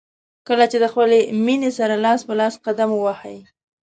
کله چې د خپلې مینې سره لاس په لاس قدم ووهئ.